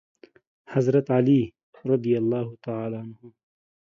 حضرت علی